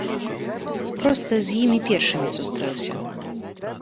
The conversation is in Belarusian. Проста з імі першымі сустрэўся.